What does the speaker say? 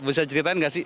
bisa ceritain gak sih